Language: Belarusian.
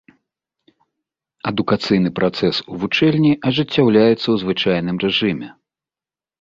Адукацыйны працэс у вучэльні ажыццяўляецца ў звычайным рэжыме.